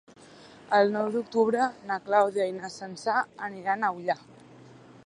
El nou d'octubre na Clàudia i na Sança aniran a Ullà.